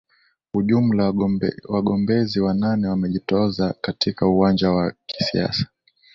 ujumla wagombezi wanane wamejitoza katika uwanja wa kisiasa